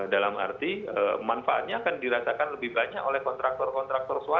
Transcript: dalam arti manfaatnya akan dirasakan lebih banyak oleh kontraktor kontraktor suara